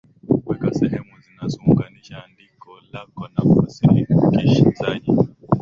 weka sehemu zinazounganisha andikko lako na wasikilizaji